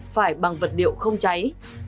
phải bằng vật điệu không cháy